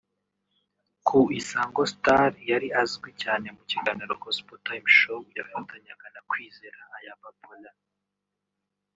Ku Isango Star yari azwi cyane mu kiganiro Gospel Time Show yafatanyaga na Kwizera Ayabba Paulin